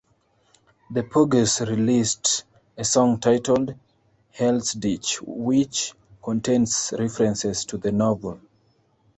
The Pogues released a song titled "Hell's Ditch", which contains references to the novel.